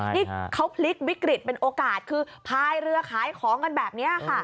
นี่เขาพลิกวิกฤตเป็นโอกาสคือพายเรือขายของกันแบบนี้ค่ะ